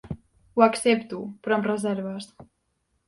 Ho accepto, però amb reserves.